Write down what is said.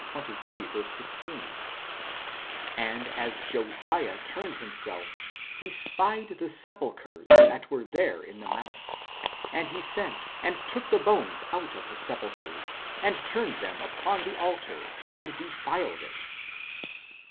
16 :" And as Josiah turned himself, he spied the sepulchres that were there in the mount ; and he sent, and took the bones out of the sepulchres, and turned them upon the altar, and defiled it.